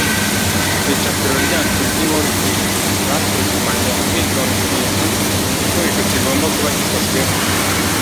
ku icapiro ryacu ry i wallkill basuzumanye ubwitonzi ibintu igifubiko kigomba kuba gikozwemo